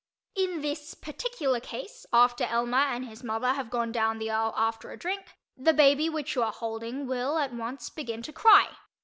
In this particular case, after Elmer and his mother have gone down the aisle after a drink, the baby which you are holding will at once begin to cry.